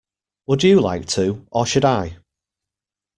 Would you like to, or should I?